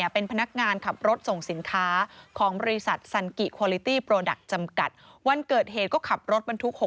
ไปตรงนั้นแล้ว